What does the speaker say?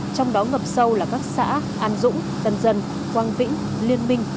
trong đó ngập sâu là các xã an dũng tân dân quang vĩnh liên minh